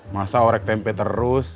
masa orek tempe terus